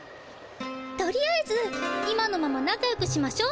とりあえず今のままなかよくしましょ。